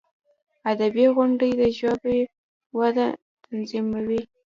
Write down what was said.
ادبي غونډي د ژبي وده تضمینوي.